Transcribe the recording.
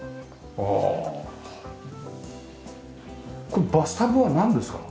これバスタブはなんですか？